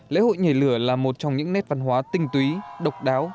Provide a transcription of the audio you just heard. lễ hội nhảy lửa là một trong những nét văn hóa tinh túy độc đáo